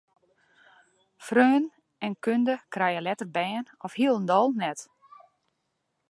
Freonen en kunde krije letter bern of hielendal net.